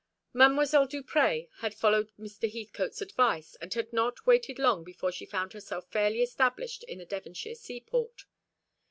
Mademoiselle Duprez had followed Mr. Heathcote's advice, and had not waited long before she found herself fairly established in the Devonshire sea port.